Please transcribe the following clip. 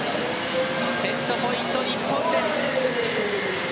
セットポイント、日本。